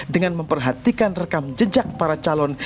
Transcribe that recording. dengan memperhatikan rekam jejak para calon